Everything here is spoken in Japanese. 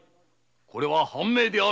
これは藩命である。